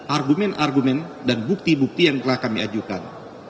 argumen argumen dan bukti bukti yang telah kami ajukan